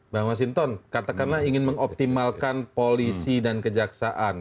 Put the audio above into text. bang masinton katakanlah ingin mengoptimalkan polisi dan kejaksaan